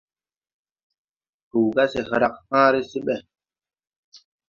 Pow ga se hrag hããre se ɓɛ.